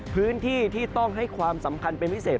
พื้นที่ที่ต้องให้ความสำคัญเป็นพิเศษ